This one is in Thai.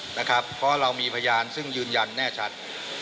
เพราะเรามีพยานซึ่งยืนยันแน่ชัด